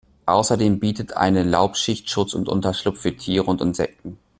Außerdem bietet eine Laubschicht Schutz und Unterschlupf für Tiere und Insekten.